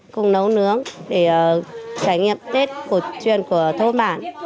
cùng nấu nướng để trải nghiệm tết cổ truyền của thôn bản